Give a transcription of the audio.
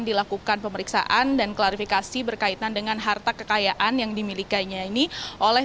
dilakukan pemeriksaan dan klarifikasi berkaitan dengan harta kekayaan yang dimilikinya ini oleh